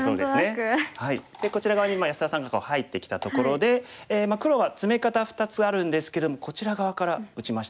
こちら側に安田さんが入ってきたところで黒はツメ方２つあるんですけれどもこちら側から打ちました。